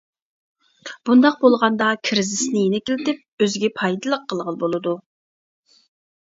بۇنداق بولغاندا كىرىزىسنى يېنىكلىتىپ ئۆزىگە پايدىلىق قىلغىلى بولىدۇ.